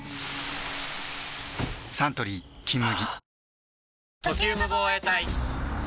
サントリー「金麦」